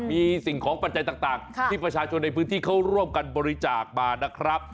มีสิ่งของปัจจัยต่างที่ประชาชนในพื้นที่เขาร่วมกันบริจาคมานะครับ